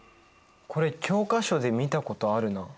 これ教科書で見たことあるな。